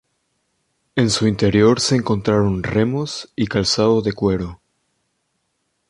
En su interior se encontraron remos y calzado de cuero.